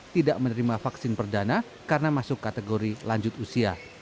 tidak menerima vaksin perdana karena masuk kategori lanjut usia